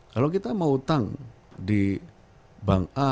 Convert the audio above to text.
kalau kita mau utang di bank a